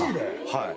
はい。